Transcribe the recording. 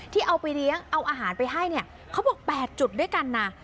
ที่เอาไปเลี้ยงเอาอาหารไปให้เนี่ยเขาบอก๘จุดด้วยกันนะ